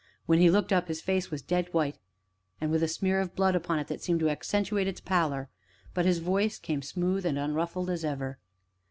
When he looked up his face was dead white, and with a smear of blood upon it that seemed to accentuate its pallor; but his voice came smooth and unruffled as ever.